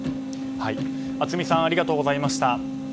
熱海さんありがとうございました。